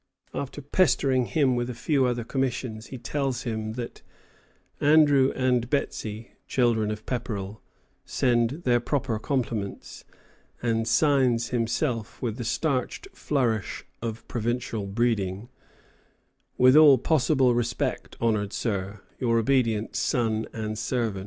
After pestering him with a few other commissions, he tells him that "Andrew and Bettsy [children of Pepperrell] send their proper compliments," and signs himself, with the starched flourish of provincial breeding, "With all possible Respect, Honoured Sir, Your Obedient Son and Servant."